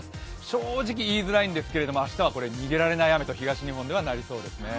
正直、言いづらいんですけれども、明日は逃げられない雨と東日本はなりそうですね。